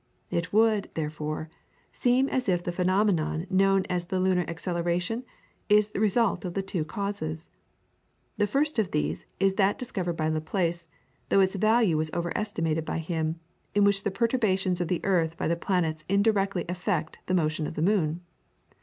It would, therefore, seem as if the phenomenon known as the lunar acceleration is the result of the two causes. The first of these is that discovered by Laplace, though its value was over estimated by him, in which the perturbations of the earth by the planets indirectly affect the motion of the moon.